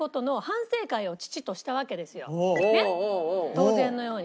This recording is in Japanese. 当然のように。